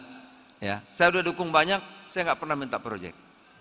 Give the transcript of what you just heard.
saya sudah dukung banyak saya nggak pernah minta proyek